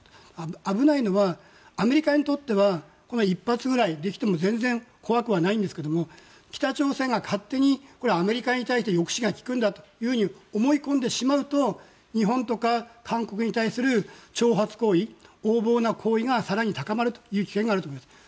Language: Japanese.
危ないのはアメリカにとっては１発ぐらい来ても全然怖くはないんですけど北朝鮮が勝手にアメリカに対して抑止が効くんだと思い込んでしまうと日本とか韓国に対する挑発行為横暴な行為が更に高まる危険があると思います。